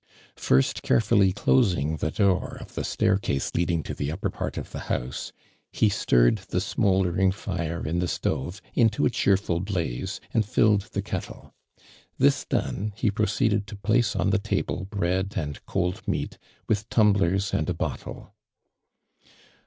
First, carefully closing iho dooi' of the stair case leading to the upper part of the house, he stirred tho smouldering lire in the stove, into a cheerful blaze, and filled the kettle. This done, he proceeded to place on the table bread and cold meat, with tumblers and a bottle.